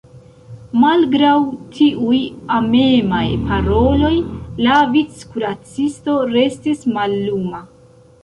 Malgraŭ tiuj amemaj paroloj, la vickuracisto restis malluma.